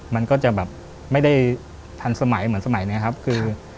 มันก็จะแบบไม่ได้ทันสมัยเหมือนสมัยนี้ครับคือ